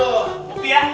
aduh bukti ya